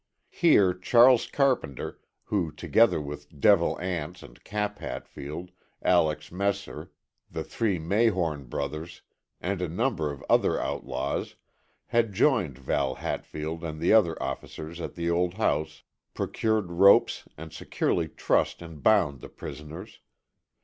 Here Charles Carpenter, who, together with Devil Anse and Cap Hatfield, Alex Messer, the three Mayhorn brothers, and a number of other outlaws, had joined Val Hatfield and the other officers at the old house, procured ropes and securely trussed and bound the prisoners.